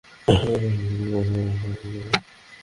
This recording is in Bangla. মিষ্টি বাবু আমার, তোমাকে ছাড়া আমার জীবন মিষ্টি হবে না।